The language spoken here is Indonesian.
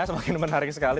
semakin menarik sekali